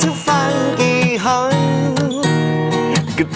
มันมันเป็นอะไร